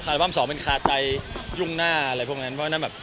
บั้มสองมันคาใจยุ่งหน้าอะไรพวกนั้นเพราะฉะนั้นแบบ